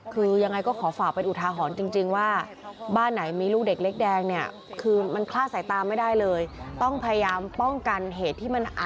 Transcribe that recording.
คือยังไงก็ขอฝากเป็นอุทาหรณ์จริงว่าบ้านไหนมีลูกเด็กเล็กแดงเนี่ย